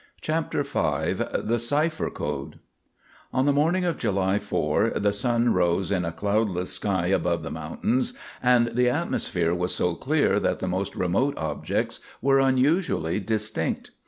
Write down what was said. CHAPTER V THE CIPHER CODE On the morning of July 4 the sun rose in a cloudless sky above the mountains, and the atmosphere was so clear that the most remote objects were unusually distinct.